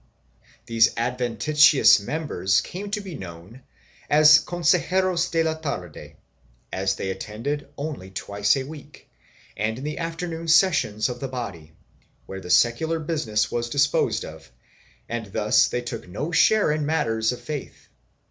1 These adventitious members came to be known as consejeros de la tarde, as they attended only twice a week and in the afternoon sessions of the body, where its secular business was disposed of, and thus they took no share in matters of faith.